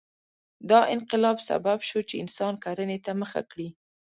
دا انقلاب سبب شو چې انسان کرنې ته مخه کړي.